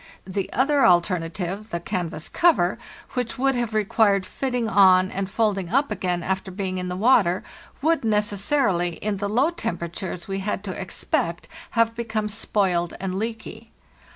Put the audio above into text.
The other alternative—the canvas cover—which would have required fitting on and folding up again after being in the water, would, necessarily, in the low tem peratures we had to expect, have become spoiled and leaky.